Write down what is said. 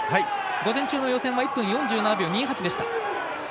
午前中の予選は１分４７秒２８でした。